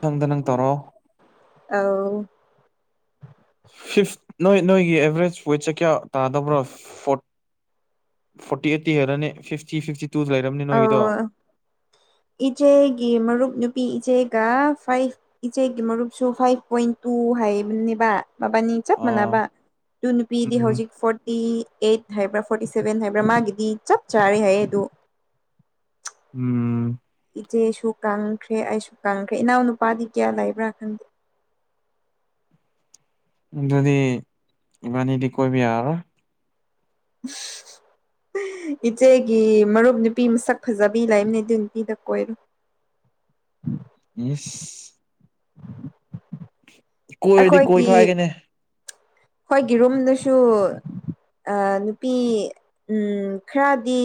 ꯃꯊꯪꯗ ꯅꯪ ꯇꯧꯔꯣ ꯑꯧ ꯐꯤꯐ ꯅꯣꯏ ꯅꯣꯏꯒꯤ ꯑꯦꯚꯔꯦꯁ ꯋꯦꯠꯁꯦ ꯀꯌꯥ ꯇꯥꯗꯕ꯭ꯔꯣ ꯐꯣꯔꯠ ꯐꯣꯔꯇꯤ ꯑꯩꯠꯇꯤ ꯍꯦꯜꯂꯅꯤ ꯐꯤꯐꯇꯤ ꯐꯤꯐꯇꯤ ꯇꯨ ꯂꯩꯔꯝꯅꯤ ꯑ ꯅꯣꯏꯒꯤꯗꯣ ꯏꯆꯦꯒꯤ ꯃꯔꯨꯞ ꯅꯨꯄꯤ ꯏꯆꯦ ꯒ ꯐꯥꯏꯚ ꯏꯆꯦꯒꯤ ꯃꯔꯨꯞꯁꯨ ꯐꯥꯏꯚ ꯄꯣꯏꯟ ꯇꯨ ꯍꯥꯏꯕꯅꯦꯕ ꯃꯕꯥꯅꯤ ꯆꯞ ꯑꯥ ꯃꯥꯟꯅꯕ ꯇꯨ ꯅꯨꯄꯤꯗꯤ ꯎꯝ ꯍꯧꯖꯤꯛ ꯐꯣꯔꯇꯤ ꯑꯩꯠ ꯍꯥꯏꯕ꯭ꯔꯥ ꯐꯣꯔꯇꯤ ꯁꯚꯦꯟ ꯍꯥꯏꯕ꯭ꯔꯥ ꯃꯥꯒꯤꯗꯤ ꯆꯞ ꯆꯥꯔꯦ ꯍꯥꯏꯌꯦ ꯑꯗꯨ ꯎꯝ ꯆꯦꯁꯨ ꯀꯪꯈ꯭ꯔꯦ ꯑꯩꯁꯨ ꯀꯪꯈ꯭ꯔꯦ ꯏꯅꯥꯎ ꯅꯨꯄꯥꯗꯤ ꯀꯌꯥ ꯂꯩꯕ꯭ꯔꯥ ꯈꯪꯗꯦ ꯑꯗꯨꯗꯤ ꯏꯕꯅꯤꯗꯤ ꯀꯣꯢꯕ ꯌꯥꯔꯔꯣꯢ [unintelligible] ꯏꯆꯦꯒꯤ ꯃꯔꯨꯞ ꯅꯨꯄꯤ ꯃꯁꯛ ꯐꯖꯕꯤ ꯂꯥꯏꯝꯅꯦ ꯑꯗꯨ ꯅꯨꯄꯤꯗꯣ ꯀꯣꯏꯔꯣ ꯏꯁ ꯀꯣꯏꯑꯣꯗꯤ ꯀꯣꯏ ꯑꯩꯈꯣꯏꯒꯤ ꯈꯥꯏꯒꯦꯅꯦ ꯑꯩꯈꯣꯏꯒꯤ ꯔꯨꯝꯗꯁꯨ ꯑ ꯅꯨꯄꯤ ꯎꯝ ꯈꯔꯗꯤ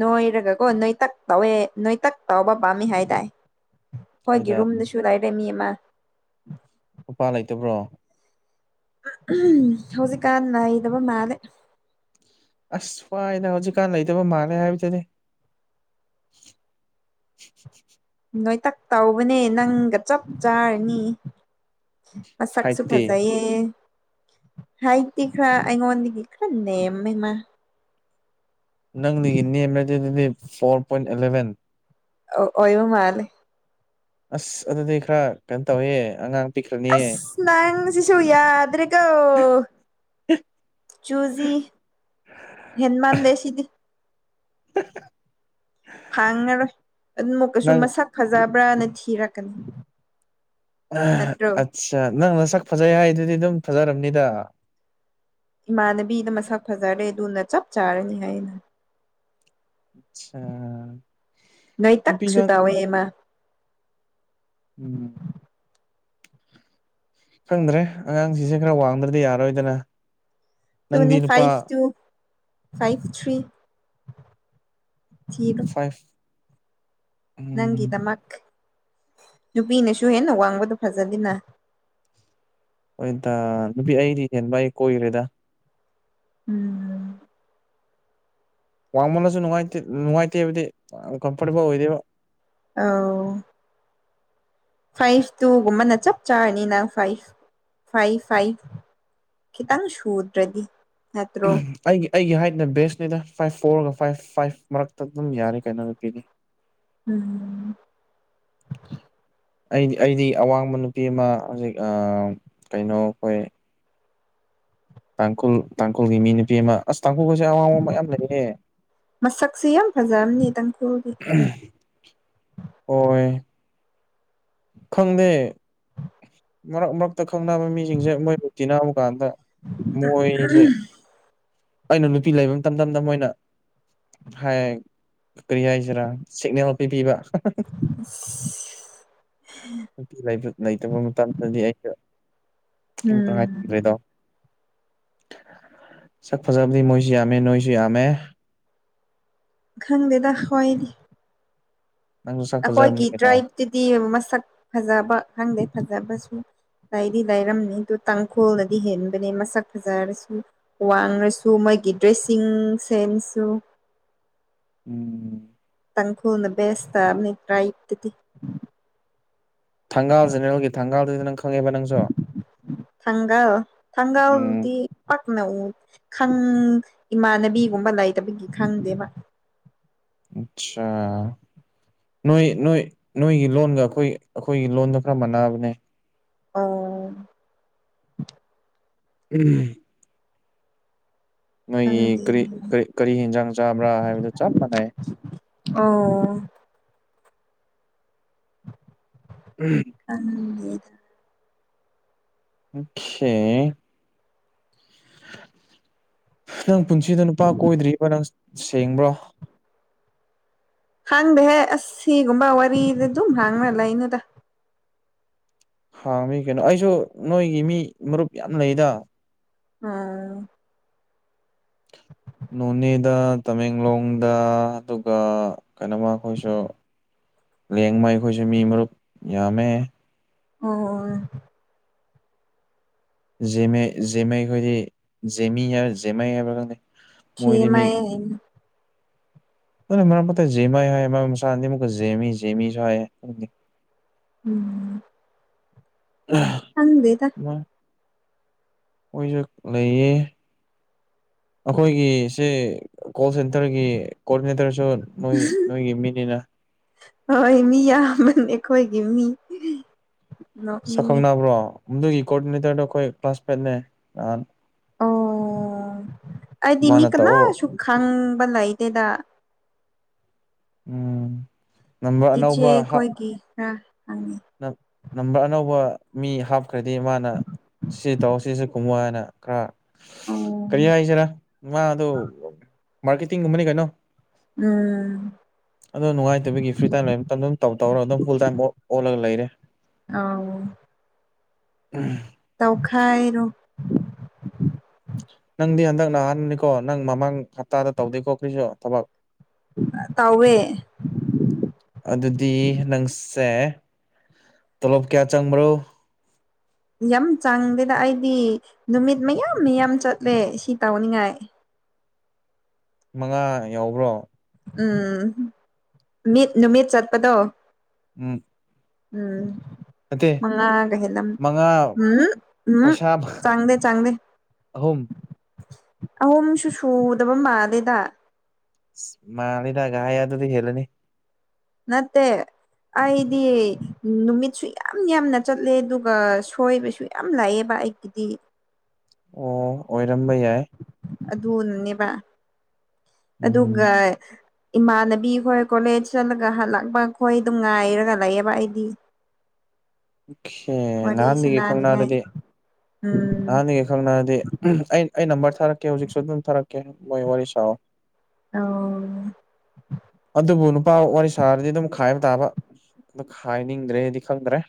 ꯅꯣꯏꯔꯒꯀꯣ ꯅꯣꯏ ꯇꯛ ꯇꯧꯋꯦ ꯅꯣꯏ ꯇꯥꯛ ꯇꯧꯕ ꯄꯥꯝꯃꯤ ꯍꯥꯢꯗꯥꯢ ꯅꯣꯏꯗ ꯑꯩꯈꯣꯏꯒꯤ ꯔꯨꯝꯗꯁꯨ ꯂꯩꯔꯦ ꯃꯤ ꯑꯃ ꯅꯨꯄꯥ ꯂꯩꯇꯕ꯭ꯔꯣ ꯍꯧꯖꯤꯛꯀꯥꯟ ꯂꯩꯗꯕ ꯃꯥꯜꯂꯦ ꯑꯁ ꯐ꯭ꯏꯅꯦ ꯍꯧꯖꯤꯛꯀꯥꯟ ꯂꯩꯇꯕ ꯃꯥꯜꯂꯦ ꯍꯥꯏꯕꯗꯨꯗꯤ [unintelligible] ꯅꯣꯏꯇꯛ ꯇꯧꯕꯅꯦ ꯅꯪꯒ ꯆꯞ ꯆꯥꯔꯅꯤ ꯃꯁꯛꯁꯨ ꯍꯥꯏꯠꯇꯤ ꯐꯖꯩꯌꯦ ꯍꯥꯏꯗꯤ ꯈꯔ ꯑꯩꯉꯣꯟꯗꯒꯤ ꯅꯦꯃꯦ ꯃꯥ ꯅꯪꯅꯤꯒꯤ ꯅꯦꯝ ꯑꯗꯨ ꯑꯗꯨ ꯑꯗꯨꯗꯤ ꯐꯣꯔ ꯄꯣꯏꯟ ꯑꯦꯂꯚꯦꯟ ꯑꯣ ꯑꯣꯢꯕ ꯃꯥꯜꯂꯤ ꯑꯁ ꯑꯗꯨꯗꯤ ꯈꯔ ꯀꯩꯅꯣ ꯇꯧꯋꯦ ꯑꯉꯥꯡ ꯄꯤꯛꯈ꯭ꯔꯅꯤꯌꯦ ꯑꯁ ꯅꯪꯁꯤꯁꯨ ꯌꯥꯗ꯭ꯔꯦ [unintelligible] ꯆꯨꯖꯤ ꯍꯦꯟꯃꯥꯟ ꯂꯩꯁꯤꯗꯤ [unintelligible] ꯐꯪꯉꯔꯣꯏ ꯑꯗꯨꯃꯨꯛ ꯀꯥꯁꯨ ꯅꯪ ꯃꯁꯛ ꯐꯖꯕ꯭ꯔꯅ ꯊꯤꯔꯛꯀꯅꯤ ꯅꯠꯇ꯭ꯔꯣ ꯑꯠꯆꯥ ꯅꯪꯅ ꯁꯛ ꯐꯖꯩ ꯍꯥꯏꯗꯨꯗꯤ ꯑꯗꯨꯝ ꯐꯖꯔꯝꯅꯤꯗ ꯏꯃꯥꯟꯅꯕꯤꯅ ꯃꯁꯛ ꯐꯖꯔꯦ ꯑꯗꯨꯅ ꯆꯞ ꯆꯥꯔꯅꯤ ꯍꯥꯏ ꯑꯦꯅ ꯑꯆꯥ ꯅꯣꯏ ꯅꯨꯄꯤ ꯇꯛꯁꯨ ꯇꯧꯋꯦ ꯃꯥ ꯎꯝ ꯈꯪꯗ꯭ꯔꯦ ꯑꯉꯥꯡꯁꯤꯡꯁꯦ ꯈꯔ ꯋꯥꯡꯗ꯭ꯔꯗꯤ ꯌꯥꯔꯣꯏꯗꯅ ꯇ ꯅꯪꯗꯤ ꯅꯨꯄꯥ ꯐꯥꯏꯚ ꯇꯨ ꯐꯥꯏꯚ ꯊ꯭ꯔꯤ ꯊ ꯐꯥꯏꯚ ꯅꯪꯤꯗ ꯎꯝ ꯃꯛ ꯅꯨꯄꯤꯅꯁꯨ ꯍꯦꯟꯅ ꯋꯥꯡꯕꯗ ꯐꯖꯅꯤꯅ ꯍꯣꯏꯗ ꯅꯨꯄꯤ ꯑꯩꯗꯤ ꯍꯦꯟꯕ ꯑꯩ ꯀꯣꯏꯈꯔꯦꯗ ꯎꯝꯝ ꯋꯥꯡꯃꯣꯟꯅꯁꯨ ꯅꯨꯡꯉꯥꯏꯇꯦ ꯅꯨꯡꯉꯥꯏꯇꯦ ꯍꯥꯏꯕꯗꯤ ꯑꯃꯀꯄꯅꯤ ꯄꯣꯏꯗꯤ ꯑꯧ ꯐꯥꯏꯚ ꯇꯨꯒꯨꯝꯕꯅ ꯆꯞ ꯆꯥꯔꯅꯤꯅꯪ ꯐꯥꯏꯚ ꯐꯥꯏꯚ ꯐꯥꯏꯚ ꯈꯤꯇꯪ ꯁꯨꯗ꯭ꯔꯦꯗꯤ ꯑꯩꯒꯤ ꯑꯩꯒꯤ ꯍꯥꯏꯠꯅ ꯕꯦꯁꯅꯤꯗ ꯐꯥꯏꯚ ꯐꯣꯔꯒ ꯐꯥꯏꯚ ꯐꯥꯏꯚ ꯃꯔꯛꯇ ꯑꯗꯨꯝ ꯌꯥꯅꯤꯦ ꯀꯥꯏꯅꯣꯒ ꯄꯤꯅꯤ ꯎꯝ ꯑꯩꯗꯤ ꯑꯩꯗꯤ ꯑꯋꯥꯡꯕ ꯅꯨꯄꯤ ꯑꯃ ꯍꯧꯖꯤꯛ ꯀꯩꯅꯣ ꯑꯩꯈꯣꯏ ꯇꯥꯡꯈꯣꯜ ꯇꯥꯡꯈꯨꯜꯒꯤ ꯃꯤ ꯅꯨꯄꯤ ꯑꯃ ꯑꯁ ꯇꯥꯡꯈꯨꯜꯒꯁꯦ ꯑꯋꯥꯡ ꯑꯋꯥꯡꯕ ꯌꯥꯝ ꯂꯩꯌꯦ ꯃꯁꯛꯁꯤ ꯌꯥꯝ ꯐꯖꯔꯝꯅꯤ ꯏꯇꯪ ꯀꯩꯒꯤ ꯑꯣꯏ ꯈꯪꯗꯦ ꯃꯔꯛ ꯃꯔꯛꯇ ꯈꯪꯅꯕ ꯃꯤꯁꯤꯡꯁꯦ ꯃꯣꯏꯕꯨꯛꯇꯤ ꯅꯥꯕ ꯀꯥꯟꯗ ꯃꯣꯏꯁꯦ ꯑꯩꯅ ꯅꯨꯄꯤ ꯂꯩꯕ ꯃꯇꯝꯗ ꯃꯣꯏꯅ ꯍꯥꯏ ꯀꯔꯤ ꯍꯥꯏꯁꯤꯔꯥ ꯁꯤꯒꯅꯦꯜ ꯄꯤꯕꯤꯕ ꯑꯁ ꯅꯨꯄꯤ ꯂꯩꯇꯕ ꯃꯇꯝꯗꯗꯤ ꯑꯩꯁꯨꯦ ꯎꯝ ꯔꯥꯏꯔꯗ ꯁꯛ ꯐꯖꯕꯗꯤ ꯃꯣꯏꯁꯨ ꯌꯥꯝꯃꯦ ꯅꯣꯏꯁꯨ ꯌꯥꯝꯃꯦ ꯈꯪꯗꯦꯗ ꯈꯣꯏꯗꯤ ꯅꯪꯁꯨ ꯁꯛ ꯑꯩꯈꯣꯏꯒꯤ ꯐꯖꯕꯅꯤ ꯀꯩꯅꯣ ꯇ꯭ꯔꯥꯏꯞꯇꯨꯗꯤ ꯃꯁꯛ ꯐꯖꯕ ꯈꯪꯗꯦ ꯐꯖꯕꯁꯨ ꯗꯥꯗꯤ ꯂꯥꯏꯔꯝꯅꯤ ꯑꯗꯨ ꯇꯥꯡꯈꯣꯜꯅꯗꯤ ꯍꯦꯟꯕꯅꯦ ꯃꯁꯛ ꯐꯖꯔꯁꯨ ꯋꯥꯡꯉꯁꯨ ꯃꯩ ꯗ꯭ꯔꯦꯁꯤꯡ ꯁꯦꯟꯁꯁꯨ [inaudible] ꯎꯝ ꯎꯝ ꯇꯪꯈꯨꯅ ꯕꯦꯁꯇ ꯑꯅꯤ ꯇ꯭ꯔꯥꯏꯇꯗꯤ ꯊꯥꯡꯒꯥꯜ ꯖꯦꯅꯦꯔꯦꯜꯒꯤ ꯊꯥꯡꯒꯥꯜꯗꯨꯗ ꯅꯪ ꯈꯪꯉꯦꯕ ꯅꯪꯁꯨ ꯊꯥꯡꯒꯥ ꯎꯝ ꯊꯥꯡꯒꯥꯗꯤ ꯄꯅ ꯏꯃꯥꯟꯅꯕꯤꯒꯨꯝꯕ ꯂꯩꯇꯕꯒꯤ ꯈꯪꯗꯦꯕ ꯑꯆꯥ ꯅꯣꯏ ꯅꯣꯏ ꯅꯣꯏꯒꯤ ꯂꯣꯟꯒ ꯑꯩꯈꯣꯏ ꯑꯩꯈꯣꯏꯒꯤ ꯂꯣꯟꯗ ꯈꯔ ꯃꯥꯟꯅꯕꯅꯦ ꯑ ꯎꯝ ꯅꯣꯏꯒꯤ ꯈꯪꯗꯦ ꯀꯔꯤ ꯀꯔꯤ ꯌꯦꯟꯖꯥꯡ ꯆꯥꯕ꯭ꯔꯥ ꯍꯥꯏꯕꯗꯨ ꯆꯞ ꯃꯥꯟꯅꯩ ꯑꯥ ꯑꯗ [unintelligible] ꯅꯪ ꯄꯨꯟꯁꯤꯗ ꯅꯨꯄꯥ ꯀꯣꯏꯗ꯭ꯔꯤꯕꯣ ꯅꯪ ꯁꯦꯡꯕ꯭ꯔꯣ ꯍꯥꯡꯗꯦꯍꯦ ꯑꯁꯤꯁ ꯁꯤꯒꯨꯝꯕ ꯋꯥꯔꯤꯗ ꯑꯗꯨꯝ ꯍꯥꯡꯅ ꯂꯩꯩꯅꯨꯗ ꯍꯥꯡ ꯃꯤ ꯀꯩꯅꯣ ꯑꯩꯁꯨ ꯅꯣꯏꯒꯤ ꯃꯤ ꯃꯔꯨꯞ ꯌꯥꯝ ꯂꯩꯗ ꯑꯥ ꯅꯣꯅꯦꯗ ꯇꯃꯦꯡꯂꯣꯡꯗ ꯑꯗꯨꯒ ꯀꯩꯅꯣꯃ ꯑꯩꯈꯣꯏꯁꯨ ꯂꯦꯡꯕ ꯑꯩꯈꯣꯏꯁꯨ ꯃꯤ ꯃꯔꯨꯞ ꯌꯥꯝꯃꯦ ꯑ ꯑ ꯖꯦꯝꯃꯩ ꯑꯩꯈꯣꯏꯗꯤ ꯖꯦꯃꯤ ꯖꯦꯝꯃꯩ ꯍꯥꯏꯕꯥ ꯈꯪꯗꯩ ꯁꯤꯃ ꯃ ꯄ ꯖꯃ ꯍꯥꯟꯨꯀ ꯖꯦꯃꯤ ꯖꯦꯃꯤ ꯎꯝ ꯈꯪꯗꯦꯗ ꯃꯥ ꯃꯣꯏꯁꯨ ꯂꯩꯌꯦ ꯑꯩꯈꯣꯏꯒꯤꯁꯦ ꯀꯣꯜ ꯁꯦꯟꯇꯔꯒꯤ ꯀꯣꯑꯣꯗꯤꯅꯦꯇꯔꯁꯨ ꯅꯣꯏ ꯅꯣꯏꯒꯤ ꯃꯤꯅꯤꯅ ꯍꯣꯏ ꯃꯤ ꯌꯥꯝꯕꯅꯤ ꯑꯩꯈꯣꯏꯒꯤ ꯃꯤ ꯅꯣꯛꯅꯤꯡꯉꯤ ꯁꯛꯈꯪꯅꯕ꯭ꯔꯣ ꯑꯗꯨꯗꯨꯒꯤ ꯀꯣꯑꯣꯔꯗꯤꯅꯦꯇꯔꯗꯣ ꯑꯩꯈꯣꯏ ꯀ꯭ꯂꯥꯁꯃꯦꯠꯅꯦ ꯑꯣ ꯑꯩꯗꯤ ꯃꯤ ꯃꯥꯅ ꯇꯧꯑꯣ ꯀꯅꯥꯁꯨ ꯈꯪꯕ ꯂꯩꯇꯦꯗ ꯎꯝ ꯅꯝꯕ ꯏꯆꯦ ꯑꯅꯧꯕ ꯈꯣꯏꯒꯤ ꯈꯔ ꯈꯪꯉꯤ ꯅꯝꯕꯔ ꯑꯅꯧꯕ ꯃꯤ ꯍꯥꯞꯈ꯭ꯔꯗꯤ ꯃꯥꯅ ꯁꯤ ꯇꯧ ꯁꯤꯁꯨ ꯈꯣꯡꯋꯥꯅ ꯈꯔ ꯑꯣ ꯀꯔꯤ ꯍꯥꯏꯁꯤꯔꯥ ꯃꯥꯗ ꯃꯥꯔꯀꯦꯇꯤꯡꯒꯨꯝꯕꯅꯤ ꯀꯩꯅꯣ ꯎꯝ ꯑꯗꯨꯣ ꯅꯨꯡꯉꯥꯏꯇꯕꯤꯒꯤ ꯐ꯭ꯔꯤ ꯇꯥꯏꯝ ꯂꯩ ꯃꯇꯝ ꯑꯗꯨꯝ ꯇꯧ ꯇꯧꯔ ꯑꯗꯨꯝ ꯐꯨꯜ ꯇꯥꯏꯝ ꯂꯒ ꯂꯩꯅꯦꯦ ꯑ ꯇꯧꯈꯥꯏꯔꯣ [unintelligible] ꯅꯪꯗꯤ ꯍꯟꯗꯛ ꯅꯍꯥꯟꯅꯤꯀꯣ ꯅꯪ ꯃꯃꯥꯡ ꯍꯞꯇꯥꯗ ꯇꯧꯗꯦꯀꯣ ꯀ꯭ꯔꯤꯁꯨ ꯊꯕꯛ ꯇꯧꯋꯦ ꯑꯗꯨꯗꯤ ꯅꯪ ꯁꯦ ꯇꯣꯂꯣꯞ ꯀꯌꯥ ꯆꯪꯕ꯭ꯔꯣ ꯌꯥꯝ ꯆꯥꯡꯗꯦꯗ ꯑꯩꯗꯤ ꯅꯨꯃꯤꯠ ꯃꯌꯥꯝ ꯃꯌꯥꯝ ꯆꯠꯂꯦ ꯁꯤ ꯇꯧꯅꯤꯡꯉꯥꯏ ꯃꯉꯥ ꯌꯥꯎꯕ꯭ꯔꯣ ꯎꯝ ꯃꯤꯠ ꯅꯨꯃꯤꯠ ꯆꯠꯄꯗꯣ ꯎꯝ ꯎꯝ ꯅꯠꯇꯦ ꯃꯒ ꯃꯉꯥ ꯎꯝ ꯎꯝ ꯄꯩꯁꯥ ꯆꯥꯡꯒꯗ ꯆꯥꯡꯒꯗ ꯑꯍꯨꯝ ꯑꯍꯨꯝꯁꯨ ꯁꯨꯗꯕ ꯃꯥꯜꯂꯦꯗ ꯃꯥ ꯂꯤꯗꯒ ꯌꯥ ꯑꯗꯨꯗꯤ ꯍꯦꯂꯅꯤ ꯅꯠꯇꯦ ꯑꯩꯗꯤ ꯅꯨꯃꯤꯠꯁꯨ ꯌꯥꯝ ꯌꯥꯝꯅ ꯆꯠꯂꯦ ꯑꯗꯨꯒ ꯁꯣꯏꯕꯁꯨ ꯌꯥꯝ ꯂꯥꯛꯑꯦꯕ ꯑꯩꯒꯤꯗꯤ ꯑꯣ ꯑꯣꯏꯔꯝꯕ ꯌꯥꯏ ꯑꯗꯨꯅꯅꯦꯕ ꯑꯗꯨꯒ ꯎꯝ ꯏꯃꯥꯟꯅꯕꯤ ꯈꯣꯏ ꯀꯣꯂꯦꯖ ꯆꯠꯂꯒ ꯍꯜꯂꯛꯄ ꯈꯣꯏ ꯑꯗꯨꯝ ꯉꯥꯏꯔꯒ ꯂꯩꯑꯦꯕ ꯑꯩꯗꯤ ꯍꯦ ꯋꯥꯔꯤ ꯅꯍꯥꯟꯗꯒꯤ ꯁꯅꯅꯤꯡꯉꯥꯏ ꯈꯪꯅꯔꯗꯤ ꯎꯝ ꯅꯍꯥꯟꯗꯒꯤ ꯈꯪꯅꯔꯗꯤ ꯑꯩ ꯑꯩ ꯅꯝꯕꯔ ꯊꯥꯔꯛꯀꯦ ꯍꯧꯖꯤꯛꯁꯨ ꯑꯗꯨꯝ ꯊꯥꯔꯛꯀꯦ ꯃꯣꯏ ꯋꯥꯔꯤ ꯁꯥꯑꯣ ꯑꯣ ꯑꯗꯨꯕꯨ ꯅꯨꯄꯥ ꯋꯥꯔꯤ ꯁꯥꯔꯗꯤ ꯑꯗꯨꯝ ꯈꯥꯏꯕ ꯇꯥꯕ ꯑ ꯈꯥꯏꯅꯤꯡꯗ꯭ꯔꯦꯗꯤ ꯈꯪꯗ꯭ꯔꯦ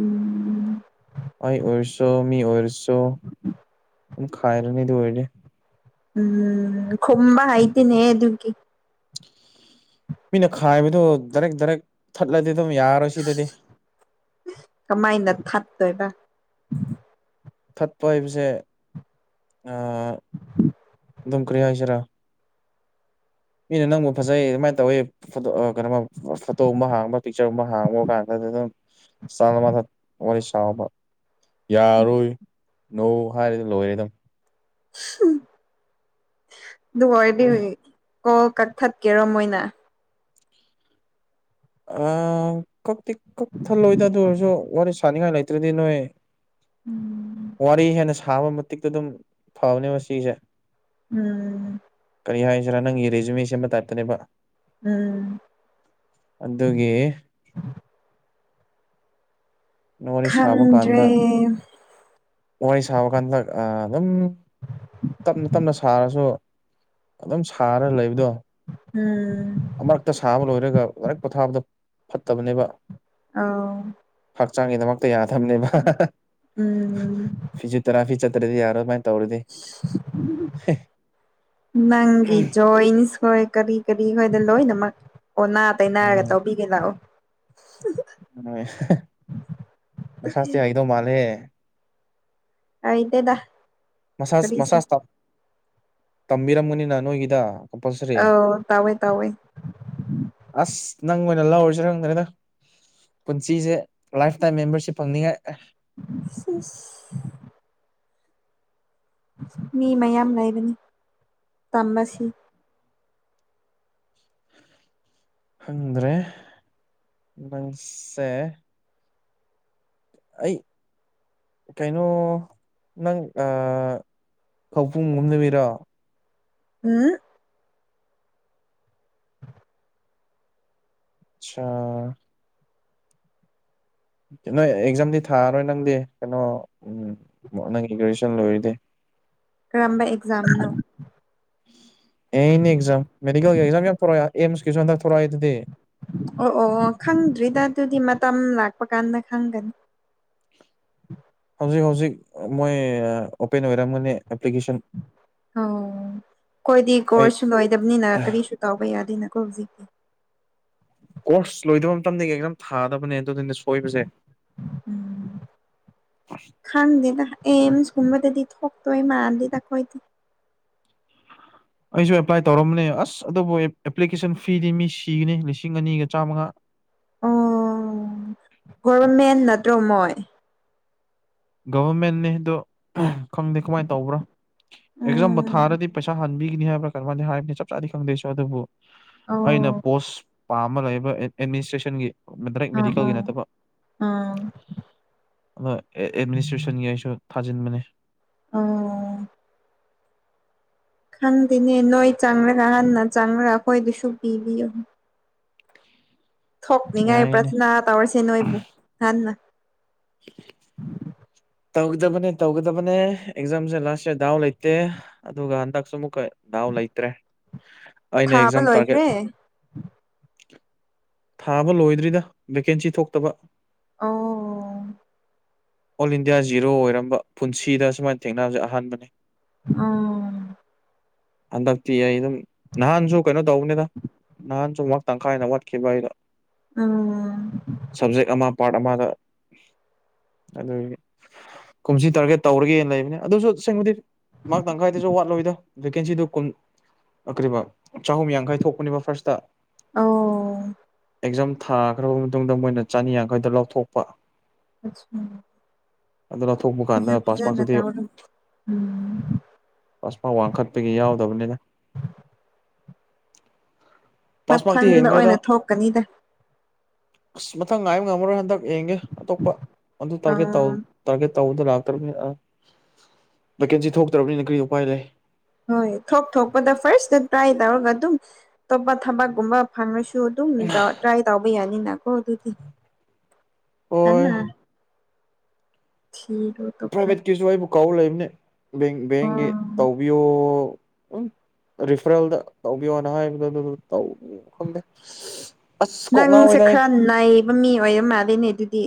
ꯎꯝ ꯑꯩ ꯎꯩꯣ ꯃꯤ ꯑꯣꯏꯔꯁꯨꯣ ꯈꯥꯏꯔꯅꯤꯗꯤ ꯑꯣꯏꯔꯦ ꯎꯝ ꯈꯝꯕ ꯍꯥꯏꯥꯏꯇꯅꯦ ꯍ ꯑꯗꯨꯒꯈꯤ ꯃꯤꯅ ꯈꯥꯏꯕꯗꯨ ꯗꯥꯏꯔꯦꯛ ꯗꯥꯏꯔꯦꯛ ꯊꯠꯂꯗꯤ ꯑꯗꯨꯝ ꯌꯥꯔꯣꯏ ꯁꯤꯗꯗꯤ ꯀꯃꯥꯏꯅ ꯊꯠꯇꯣꯏꯕ ꯐꯠꯄ ꯍꯥꯏꯕꯁꯦ ꯑꯗꯨꯝ ꯀꯔꯤ ꯍꯥꯏꯁꯤꯔꯥ ꯃꯤꯅ ꯅꯪꯕꯨ ꯐꯖꯩ ꯑꯗꯨꯃꯥꯏꯅ ꯇꯧꯋꯤ ꯐꯣꯇꯣ ꯀꯩꯅꯣꯃ ꯐꯣꯇꯣꯒꯨꯝꯕ ꯍꯥꯡꯕ ꯄꯤꯛꯆꯔꯒꯨꯝꯕ ꯍꯥꯡꯕ ꯀꯥꯟꯗ ꯆꯂ ꯃꯥꯊ ꯋꯥꯔꯤꯔꯁꯕ ꯌꯥꯔꯣꯏ ꯅꯧ ꯍꯥꯏꯔꯤꯗꯤ ꯂꯣꯏꯔꯦ ꯑꯗꯨꯝ ꯗꯨ ꯋꯥꯏꯗꯤ ꯀꯣꯜ ꯀꯛꯊꯠꯀꯦꯔ ꯃꯣꯏꯅ ꯑ ꯀꯛꯇꯤ ꯀꯛ ꯊꯜꯂꯣꯏꯗ ꯑꯗꯨ ꯑꯣꯏꯔꯁꯨ ꯋꯥꯔꯤ ꯁꯥꯅꯤꯡꯉꯥꯏ ꯂꯩꯇ꯭ꯔꯗꯤ ꯅꯣꯏ ꯎꯝ ꯋꯥꯔꯤ ꯍꯦꯟꯅ ꯁꯥꯕ ꯃꯇꯤꯛꯇ ꯑꯗꯨꯝ ꯐꯕꯅꯦ ꯁꯤꯁꯦ ꯎꯝ ꯀꯔꯤ ꯍꯥꯏꯁꯤꯔꯥ ꯅꯪꯒꯤ ꯦꯖꯨꯃꯤ ꯁꯦꯝꯕ ꯇꯥꯏꯞꯇꯅꯦꯕ ꯎꯝ ꯑꯗꯨꯒꯤ ꯋꯥꯔꯤ ꯁꯥꯕ ꯈꯪꯗ꯭ꯔꯦ ꯀꯥꯟꯗ ꯋꯥꯔꯤ ꯁꯥꯕ ꯀꯥꯟꯗ ꯑꯗꯨꯝ ꯇꯞꯅ ꯇꯞꯅ ꯁꯥꯔꯁꯨ ꯑꯗꯨꯝ ꯁꯥꯔ ꯂꯩꯕꯗꯣ ꯎꯝ ꯑꯃꯛꯇ ꯁꯥꯕ ꯂꯣꯏꯔꯒ ꯂꯥꯏꯔꯤꯛ ꯄꯣꯊꯥꯕꯗꯣ ꯐꯠꯇꯕꯅꯦꯕ ꯑ ꯍꯛꯆꯥꯡꯒꯤꯗꯃꯛꯇ ꯌꯥꯗꯕꯅꯦꯕ ꯎꯝ ꯐꯤꯖ ꯇꯔꯥꯐꯤ ꯆꯠꯇ꯭ꯔꯗꯤ ꯌꯥꯔ ꯑꯗꯨꯃꯥꯏ ꯅꯪꯤ ꯤꯟꯁ ꯍꯣꯏ ꯀꯔꯤ ꯀꯔꯤ ꯑꯩꯈꯣꯏꯗ ꯂꯣꯏꯅꯃꯛ ꯑꯣꯟꯅ ꯇꯩꯅꯅꯔꯒ ꯇꯧꯕꯤꯒꯦ ꯂꯥꯛꯑꯣ ꯎ ꯃꯁꯥꯁꯦ ꯍꯥꯏꯗꯧ ꯃꯥꯜꯂꯦ ꯑꯩꯗꯗ ꯃꯁꯥꯖ ꯃꯁꯥꯖ ꯇꯝꯕꯤꯔꯝꯝꯕꯅꯤꯅ ꯅꯣꯏꯒꯤꯗ ꯀꯄꯥꯜꯁꯔꯤꯦ ꯑꯧ ꯇꯧꯋꯦ ꯇꯧꯋꯦ ꯑꯁ ꯅꯪ ꯑꯣꯏꯅ ꯂꯧꯔꯁꯨ ꯈꯪꯗ꯭ꯔꯦꯅ ꯄꯨꯟꯁꯤꯁꯦ ꯂꯥꯏꯐꯇꯥꯏꯝ ꯃꯦꯝꯕꯔꯁꯤꯞ ꯐꯪꯅꯤꯡꯉꯥꯏ ꯁ ꯃꯤ ꯃꯌꯥꯝ ꯂꯩꯕꯅꯤ ꯇꯝꯕꯁꯤ ꯈꯪꯗ꯭ꯔꯦ ꯃꯪꯁꯦ ꯑꯩ ꯀꯩꯅꯣ ꯅꯪ ꯑ ꯀꯧꯄꯨꯡꯒꯨꯝ ꯅꯨꯃꯤꯔꯣ ꯎꯝ ꯑꯆꯥꯥ ꯅꯣꯏ ꯑꯦꯛꯖꯥꯝꯗꯤ ꯊꯥꯔꯔꯣꯏ ꯅꯪꯗꯤ ꯀꯩꯅꯣ ꯎ ꯅꯪꯒꯤ ꯒ꯭ꯔꯦꯖꯨꯦꯁꯟ ꯂꯣꯏꯔꯗꯤ [inaudible] [inaudible] ꯀꯔꯝꯕ ꯑꯦꯛꯖꯥꯝꯅꯣ ꯑꯦꯩꯅ ꯑꯦꯛꯖꯥꯝ ꯃꯦꯗꯤꯀꯦꯜꯒꯤ ꯑꯦꯛꯖꯥꯝ ꯌꯥꯝ ꯊꯣꯔꯛꯑ ꯑꯦꯝꯁꯀꯤꯁꯨ ꯍꯟꯗꯛ ꯊꯣꯔꯛꯑꯏ ꯑꯗꯨꯗꯤ ꯑꯣ ꯑꯣ ꯑꯣ ꯈꯪꯗ꯭ꯔꯤꯗ ꯑꯗꯨꯗꯤ ꯃꯇꯝ ꯂꯥꯛꯄ ꯀꯥꯟꯗ ꯈꯪꯒꯅꯤ ꯍꯧꯖꯤꯛ ꯍꯧꯖꯤꯛ ꯃꯣꯏ ꯑꯣꯄꯦꯟ ꯑꯣꯏꯔꯝꯒꯅꯤ ꯑꯦꯄ꯭ꯂꯤꯀꯦꯁꯟ ꯑꯣ ꯑꯩꯈꯣꯏꯗꯤ ꯑꯩ ꯀꯣꯔꯁꯁꯨ ꯂꯣꯏꯗꯕꯅꯤꯅ ꯀꯔꯤꯁꯨ ꯇꯧꯕ ꯌꯥꯗꯦꯅ ꯀꯧꯖꯤ ꯀꯣꯔꯁ ꯂꯣꯏꯗꯕ ꯃꯇꯝꯗꯒꯤꯝ ꯊꯥꯗꯕꯅꯦ ꯑꯗꯨꯗꯨꯅꯦ ꯁꯣꯏꯕꯁꯦ ꯈꯗꯗ ꯑꯦꯁ ꯊꯨꯝꯕꯗꯗꯤ ꯊꯣꯛꯣꯛ ꯇꯣꯏꯋ ꯃꯥꯗꯤꯗ ꯀꯣꯗꯤ ꯑꯩꯁꯨ ꯑꯦꯄ꯭ꯂꯥꯏ ꯇꯧꯔꯝꯕꯅꯦ ꯑꯁ ꯑꯗꯨꯕꯨ ꯑꯦꯄ꯭ꯂꯤꯀꯦꯁꯟ ꯐꯤꯗꯤ ꯃꯤ ꯁꯤꯒꯅꯤ ꯂꯤꯁꯤꯡ ꯑꯅꯤꯒ ꯆꯥꯝꯃꯉꯥ ꯑꯣ ꯇꯃꯣꯏ ꯒꯚꯔꯃꯦꯟ ꯅꯗ ꯈꯪꯗꯦ ꯀꯃꯥꯏꯅ ꯇꯧꯕ꯭ꯔꯥ ꯑꯦꯛꯖꯥꯝꯕꯨ ꯎꯝ ꯊꯥꯔꯗꯤ ꯄꯩꯁꯥ ꯍꯟ ꯃꯤꯒꯤꯅꯤ ꯍꯥꯏꯕ꯭ꯔꯥ ꯀꯔ ꯍꯥꯏꯕꯅꯤ ꯆꯞ ꯆꯥꯗꯤ ꯈꯪꯗꯦꯁꯨ ꯑꯗꯨꯕꯨ ꯑꯣ ꯑꯩꯅ ꯄꯣꯁ ꯄꯥꯝꯝꯕ ꯂꯩꯕ ꯑꯦꯗꯃꯤꯅꯤꯁꯇ꯭ꯔꯦꯁꯟꯒꯤ ꯑꯥ ꯑꯥ ꯃꯦꯗꯤꯀꯦꯜꯒꯤ ꯅꯠꯇꯕ ꯑꯥ ꯑꯗꯣ ꯑꯦꯗꯃꯤꯅꯤꯁꯇ꯭ꯔꯦꯁꯟꯒꯤ ꯑꯩꯁꯨ ꯊꯥꯖꯤꯟꯕꯅꯦ ꯑ ꯈꯪꯗꯦꯅꯦ ꯅꯣꯏ ꯆꯪꯈ꯭ꯔꯥ ꯍꯟꯅ ꯆꯪꯈ꯭ꯔꯥ ꯑꯩꯈꯣꯏꯗꯨꯁꯨ ꯄꯤꯕꯤꯌꯨ ꯊꯣꯛꯅꯤꯡꯉꯥꯏ ꯌꯥꯏꯅꯦ ꯄ꯭ꯔꯊꯅꯥ ꯇꯧꯔꯁꯦ ꯅꯣꯏꯕꯨ ꯍꯟꯅ [inaudible] ꯇꯧꯒꯗꯕꯅꯦ ꯇꯧꯒꯗꯕꯅꯦ ꯑꯦꯛꯖꯥꯝꯁꯦ ꯂꯥꯁ ꯏꯔ ꯗꯥꯎ ꯂꯩꯇꯦ ꯑꯗꯨꯒ ꯍꯟꯗꯛꯁꯨ ꯑꯃꯨꯛꯀ ꯗꯥ ꯇ꯭ꯔꯦ ꯑꯩꯅ ꯊꯥꯕ ꯑꯦꯛꯖꯥꯝ ꯇꯥꯔꯒꯦꯠ ꯂꯣꯏꯈ꯭ꯔꯦ ꯊꯥꯕ ꯂꯣꯏꯗ꯭ꯔꯤꯗ ꯚꯦꯀꯦꯟꯁꯤ ꯊꯣꯛꯇꯕ ꯑꯣ ꯑꯣꯜ ꯏꯟꯗꯤꯌꯥ ꯖꯤꯔꯣ ꯑꯣꯏꯔꯝꯕ ꯄꯨꯟꯁꯤꯗ ꯁꯨꯃꯥꯏꯅ ꯊꯦꯡꯅꯕꯅꯕꯁꯦ ꯑꯍꯥꯟꯕꯅꯤ ꯑ ꯍꯟꯗꯛꯇꯤ ꯑꯩ ꯑꯗꯨꯝ ꯅꯍꯥꯟꯁꯨ ꯀꯩꯅꯣ ꯇꯧꯕꯅꯤꯗ ꯅꯍꯥꯟꯁꯨꯃꯛ ꯇꯪꯈꯥꯏꯅ ꯋꯥꯠꯈꯤꯕ ꯑꯩꯗꯣ ꯎꯝ ꯄꯥꯔ ꯃꯥꯗ ꯑꯗꯨ ꯀꯨꯝꯁꯤ ꯇꯥꯔꯒꯦ ꯇꯧꯔꯒꯦꯅ ꯂꯩꯕꯅꯦ ꯑꯗꯨꯁꯨ ꯁꯦꯡꯕꯨꯗꯤ ꯃꯥ ꯇꯪꯈꯥꯏꯗꯁꯨ ꯋꯥꯠꯂꯣꯏꯗ ꯚꯦꯀꯦꯟꯁꯤꯗꯨ ꯀꯨꯟ ꯑ ꯀꯔꯤꯕ ꯆꯍꯨꯝ ꯌꯥꯡꯈꯩ ꯊꯣꯛꯄꯅꯦꯕ ꯐꯥꯔꯁꯇ ꯑꯣ ꯑꯦꯛꯖꯥꯝ ꯊꯥꯈ꯭ꯔꯕ ꯃꯇꯨꯡꯗ ꯃꯣꯏꯅ ꯆꯅꯤ ꯌꯥꯡꯈꯩꯗ ꯂꯧꯊꯣꯛꯄ [unintelligible] ꯑꯗꯨ ꯂꯧꯊꯣꯛꯄ ꯀꯥꯟꯗ ꯐꯖ ꯐꯖꯅ ꯄꯥꯁꯃ꯭ꯔꯛꯇꯨꯗꯤ ꯇꯧꯔꯣ ꯎꯝ ꯄꯥꯁꯃ꯭ꯔꯛ ꯋꯥꯡꯈꯠꯄꯒꯤ ꯌꯥꯎꯗꯕꯅꯤꯗ ꯃꯊꯪꯗ ꯍꯦꯟꯈ꯭ꯔꯦꯗ ꯑꯣꯏꯅ ꯊꯣꯛꯀꯅꯤꯗ ꯑꯁ ꯃꯊꯪ ꯉꯥꯏꯕ ꯉꯝꯃꯔꯣꯏ ꯍꯟꯗꯛ ꯌꯦꯡꯒꯦ ꯑꯇꯣꯞꯄ ꯑꯗꯨ ꯇꯥꯔꯒꯦꯠ ꯑꯥ ꯇꯧ ꯇꯥꯔꯒꯦꯠ ꯇꯧꯕꯗ ꯂꯥꯛꯇ꯭ꯔꯕꯅꯤꯅ ꯑ ꯚꯦꯀꯦꯟꯁꯤ ꯊꯣꯛꯇ꯭ꯔꯕꯅꯤꯅ ꯀꯔꯤ ꯎꯄꯥꯏ ꯂꯩ ꯍꯣꯏ ꯊꯣꯛ ꯊꯣꯛꯄꯗ ꯐꯥꯔꯁꯇ ꯇ꯭ꯔꯥꯏ ꯇꯧꯔꯒ ꯑꯗꯨꯝ ꯑꯇꯣꯞꯄ ꯊꯕꯛꯀꯨꯝꯕ ꯐꯪꯉꯁꯨ ꯨ ꯑꯗꯨꯝ ꯇ꯭ꯔꯥꯏ ꯇꯧꯕ ꯌꯥꯅꯤꯅꯀꯣ ꯑꯗꯨꯗꯤ ꯍꯣꯏ ꯍꯟꯅ [unintelligible] ꯀꯥꯎ ꯂꯩꯕꯅꯦ ꯕꯦꯡ ꯕꯦꯡꯒꯤ ꯇꯧꯕꯤꯌꯣ ꯎꯝ ꯔꯤꯐꯔꯦꯜꯗ ꯇꯧꯕꯤꯌꯣꯅ ꯍꯥꯏꯕꯗꯣ ꯑꯗꯨ ꯇꯧ ꯈꯪꯗꯦ ꯑꯁ ꯀꯣꯛ ꯅꯪꯁꯦ ꯉꯥꯎꯋꯦꯗ ꯑꯩ ꯈꯔ ꯅꯩꯕ ꯃꯤ ꯑꯣꯏꯔ ꯃꯥꯜꯂꯤꯅꯦ ꯑꯗꯨꯗꯤ